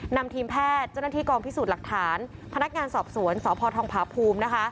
นำทีมแพทย์เจ้าหน้าที่กองพิสูจน์หลักฐานพนักงานสอบสวนสพทองผาภูมินะคะ